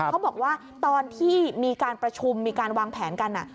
เขาบอกว่าตอนที่มีการประชุมมีการวางแผนกัน